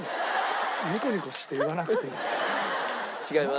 ニコニコして言わなくていいよ。違います。